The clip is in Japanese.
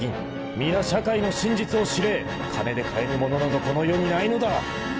［皆社会の真実を知れ］［金で買えぬものなどこの世にないのだ］